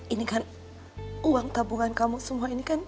ini kan uang tabungan kamu semua ini kan